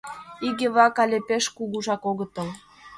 Иге-влак але пеш кугужак огытыл.